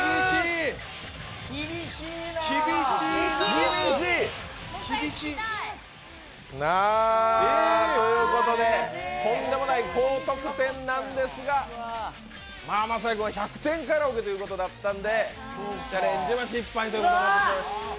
厳しいなもう１回聴きたい。ということでとんでもない高得点なんですが、晶哉君は１００点カラオケということだったんで、チャレンジは失敗ということでした。